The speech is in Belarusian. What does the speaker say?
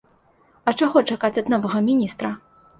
А чаго чакаць ад новага міністра?